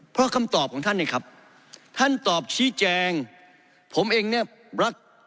เพราะคำตอบของท่านเนี่ยครับท่านตอบชี้แจงผมเองเนี่ยรัก